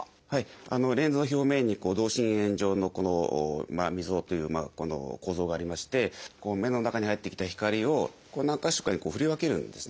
レンズの表面に同心円状のこの溝構造がありまして目の中に入ってきた光を何か所かに振り分けるんですね。